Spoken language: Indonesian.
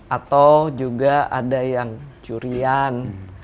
atau juga ada yang curian